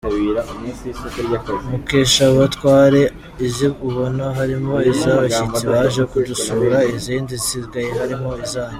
Mukeshabatware: Izi ubona harimo iz’abashyitsi baje kudusura, izindi zisigaye harimo izanjye.